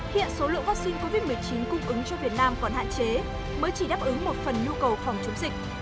hiện số lượng vaccine covid một mươi chín cung ứng cho việt nam còn hạn chế mới chỉ đáp ứng một phần nhu cầu phòng chống dịch